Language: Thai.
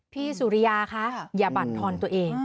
พี่สุริยาคะอย่าบั่นทอนตัวเอง